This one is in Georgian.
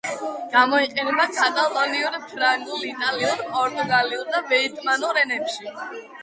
გამოიყენება კატალონიურ, ფრანგულ, იტალიურ, პორტუგალიურ და ვიეტნამურ ენებში.